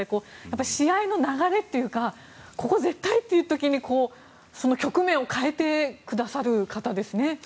試合の流れというかここ絶対という時に局面を変えてくださる方ですね。